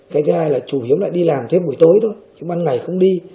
cái thứ hai là chủ yếu lại đi làm thêm buổi tối thôi chứ ban ngày không đi